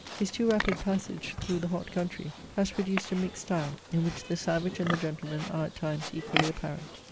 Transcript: His too rapid passage through the hot country has produced a mixed style, in which the savage and the gentleman are at times equally apparent.